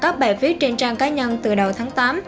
các bài viết trên trang cá nhân từ đầu tháng tám